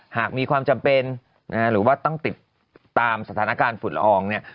หากมีความจำเป็นนะฮะหรือว่าต้องติดตามสถานการณ์ฝุ่นละอองเนี่ย